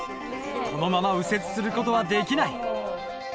このまま右折する事はできない。